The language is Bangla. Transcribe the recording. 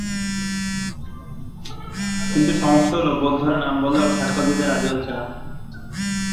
কিন্তু সমস্যা হলো, বৌদ্ধরা নাম বললেও সাক্ষ্য দিতে রাজি হচ্ছেন না।